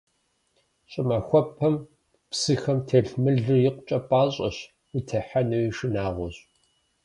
Щӏымахуэпэм псыхэм телъ мылыр икъукӀэ пӀащӀэщ, утехьэнуи шынагъуэщ.